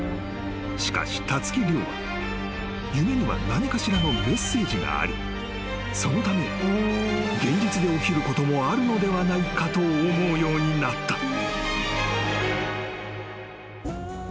［しかしたつき諒は夢には何かしらのメッセージがありそのため現実で起きることもあるのではないかと思うようになった］